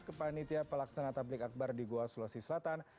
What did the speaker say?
kepanitia pelaksana tablik akbar di goa sulawesi selatan